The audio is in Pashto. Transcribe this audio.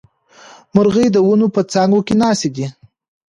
مرغۍ د ونو په څانګو کې ناستې دي